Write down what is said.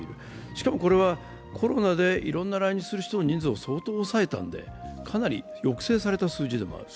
しかも、これはコロナでいろんな来日する人の人数を相当抑えたのでかなり抑制された数字でもある。